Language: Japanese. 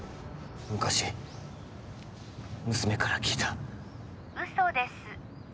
昔娘から聞いたうそです